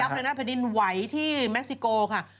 อยากได้รับในนักพฤดินไหวที่เม็กซิโกค่ะ